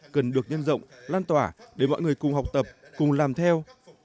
cần được nhân rộng lan tỏa để mọi người cùng học tập cùng làm theo